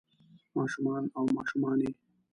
ما شومان او ماشومانے